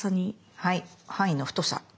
はい範囲の太さ。